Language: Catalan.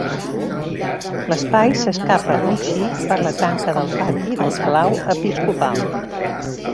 L'espai s'escapa un xic per la tanca del pati del Palau Episcopal.